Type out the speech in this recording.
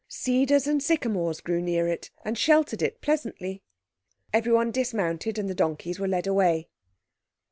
Cedars and sycamores grew near it and sheltered it pleasantly. Everyone dismounted, and the donkeys were led away.